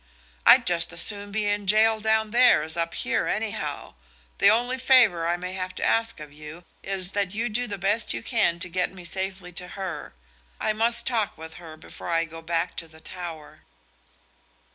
I'd just as soon be in jail down there as up here, anyhow. The only favor I have to ask of you is that you do the best you can to get me safely to her. I must talk with her before I go back to the Tower."